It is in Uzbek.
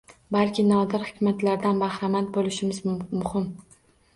Balki nodir hikmatlaridan bahramand bo‘lishimiz – muhim.